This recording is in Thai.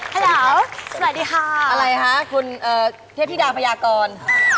ข้าวดาวสวัสดีค่ะอะไรคะคุณเทพธิดาพญากร